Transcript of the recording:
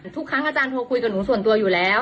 แต่ทุกครั้งอาจารย์โทรคุยกับหนูส่วนตัวอยู่แล้ว